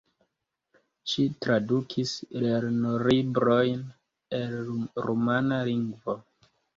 Ŝi tradukis lernolibrojn el rumana lingvo.